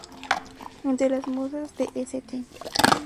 Entre las musas de St.